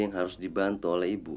yang harus dibantu oleh ibu